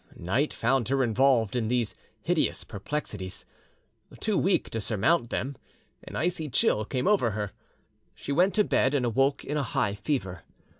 Night found her involved in these hideous perplexities, too weak to surmount them; an icy chill came over her, she went to bed, and awoke in a high fever.